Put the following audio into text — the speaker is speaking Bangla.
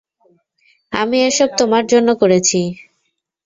আমি এসব তোমার জন্য করেছি।